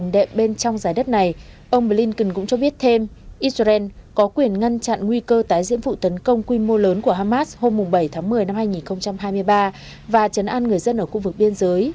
đệm bên trong dài đất này ông blinken cũng cho biết thêm israel có quyền ngăn chặn nguy cơ tái diễn vụ tấn công quy mô lớn của hamas hôm bảy tháng một mươi năm hai nghìn hai mươi ba và chấn an người dân ở khu vực biên giới